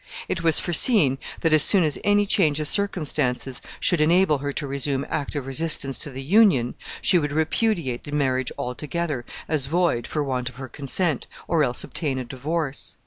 It was foreseen that, as soon as any change of circumstances should enable her to resume active resistance to the union, she would repudiate the marriage altogether, as void for want of her consent, or else obtain a divorce.